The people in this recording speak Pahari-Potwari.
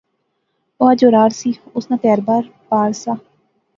او اج اورار سی، اس نا کہھر بار پار سا